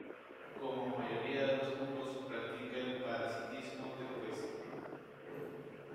Como a mayoría de los cucos practica el parasitismo de puesta.